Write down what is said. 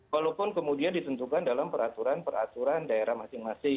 walaupun kemudian ditentukan dalam peraturan peraturan daerah masing masing